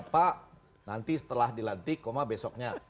pak nanti setelah dilantik koma besoknya